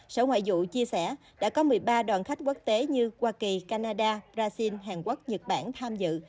sở ngoại vụ chia sẻ đã có một mươi ba đoàn khách quốc tế như hoa kỳ canada brazil hàn quốc nhật bản tham dự